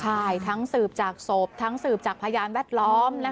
ใช่ทั้งสืบจากศพทั้งสืบจากพยานแวดล้อม